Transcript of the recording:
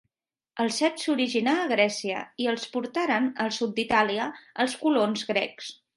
El cep s'originà a Grècia i el portaren al sud d'Itàlia els colons grecs.